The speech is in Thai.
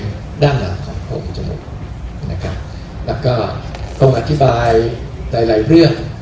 เป็นด้านหลังของผมจริงนะครับแล้วก็ผมอธิบายในหลายเรื่อง